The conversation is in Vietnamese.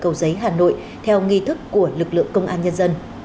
cầu giấy hà nội theo nghi thức của lực lượng công an nhân dân